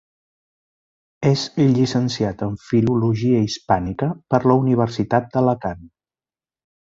És llicenciat en Filologia Hispànica per la Universitat d'Alacant.